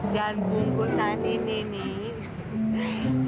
dan bungkusan ini nih